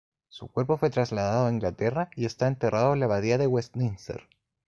Su cuerpo fue trasladado a Inglaterra y está enterrado en la abadía de Westminster.